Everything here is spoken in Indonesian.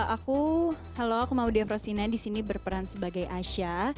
aku halo aku maudie efrosina disini berperan sebagai asya